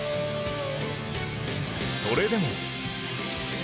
それでも